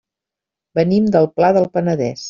Venim del Pla del Penedès.